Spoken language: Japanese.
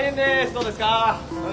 どうですか？